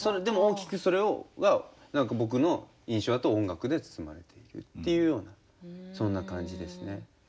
でも大きくそれはなんか僕の印象だと音楽で包まれているっていうようなそんな感じですね。